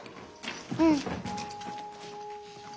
うん。